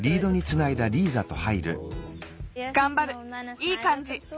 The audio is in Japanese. いいかんじ。